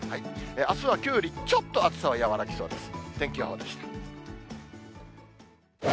あすは、きょうよりちょっと暑さは和らぎそうです。